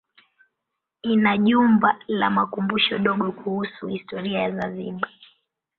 Ina jumba la makumbusho dogo kuhusu historia ya Zanzibar.